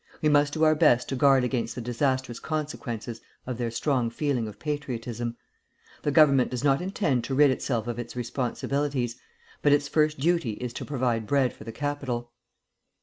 We must do our best to guard against the disastrous consequences of their strong feeling of patriotism. The Government does not intend to rid itself of its responsibilities, but its first duty is to provide bread for the capital.'